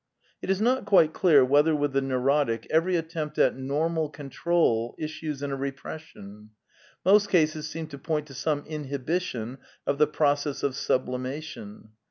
) It is not quite clear whether with the neurotic every at tempt at normal control issues in a repression. Most cases seem to point to some inhibition of the process of sublimation.